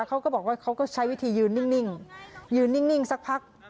เขาก็บอกว่าเขาก็ใช้วิธียืนนิ่งยืนนิ่งสักพัก